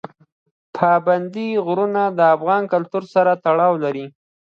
پابندی غرونه د افغان کلتور سره تړاو لري.